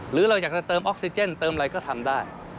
หรือเราอยากจะเติมออกซิเจนเติมอะไรก็ทำได้